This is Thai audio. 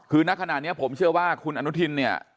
คือนักขณะนี้ผมเชื่อว่าคุณอนุทินเนี่ย